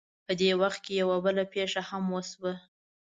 په دې وخت کې یوه بله پېښه هم وشوه.